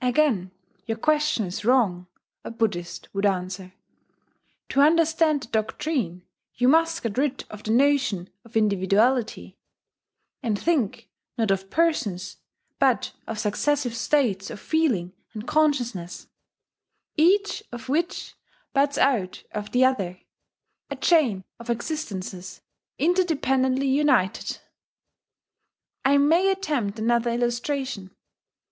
"Again your question is wrong," a Buddhist would answer: "to understand the doctrine you must get rid of the notion of individuality, and think, not of persons, but of successive states of feeling and consciousness, each of which buds out of the other, a chain of existences interdependently united." ... I may attempt another illustration.